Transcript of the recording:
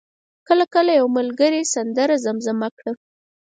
کله کله یو ملګری سندره زمزمه کړه.